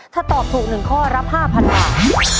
ถ้าตอบถูกหนึ่งข้อรับห้าพันบาท